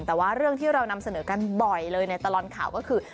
แต่ว่าเรื่องที่เรานำเสนอกันบ่อยเลยในตลอดข่าวก็คือ